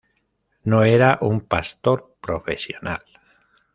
No era un pastor profesional.